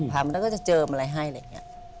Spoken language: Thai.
พามาแล้วก็จะเจอมาอะไรให้อะไรอย่างนี้